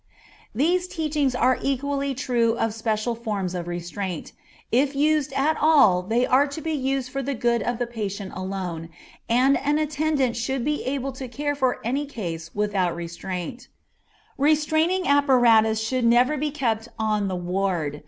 These teachings are equally true of special forms of restraint. If used at all they are to be used for the good of the patient alone, and an attendant should be able to care for any case without restraint. Restraining apparatus should never be kept on the ward.